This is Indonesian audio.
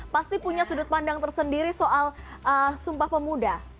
pasti punya sudut pandang tersendiri soal sumpah pemuda